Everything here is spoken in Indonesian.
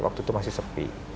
waktu itu masih sepi